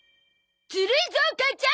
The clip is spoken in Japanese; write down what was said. ずるいゾ母ちゃん！